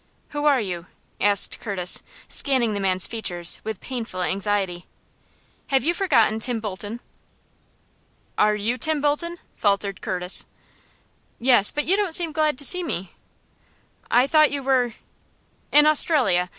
"Who are you?" asked Curtis, scanning the man's features with painful anxiety. "Have you forgotten Tim Bolton?" "Are you Tim Bolton?" faltered Curtis. "Yes; but you don't seem glad to see me?" "I thought you were " "In Australia.